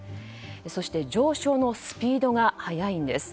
そして、上昇のスピードが速いんです。